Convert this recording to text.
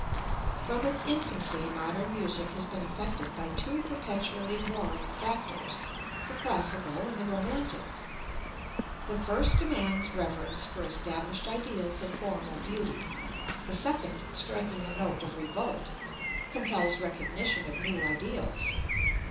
From its infancy modern music has been affected by two perpetually warring factors, the Classical and the Romantic. The first demands reverence for established ideals of formal beauty; the second, striking a note of revolt, compels recognition of new ideals.